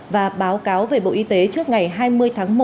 và báo cáo về bộ y tế trước ngày hai mươi tháng một mươi